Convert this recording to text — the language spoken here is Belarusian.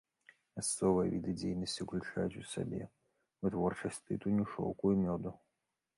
Мясцовыя віды дзейнасці ўключаюць у сабе вытворчасць тытуню, шоўку і мёду.